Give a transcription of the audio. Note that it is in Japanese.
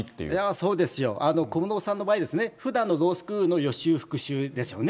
そうですよ、小室さんの場合ですね、ふだんのロースクールの予習復習ですよね。